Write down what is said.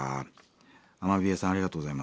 アマビエさんありがとうございます。